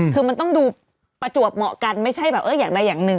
คือมันต้องดูประจวบเหมาะกันไม่ใช่แบบอย่างใดอย่างหนึ่ง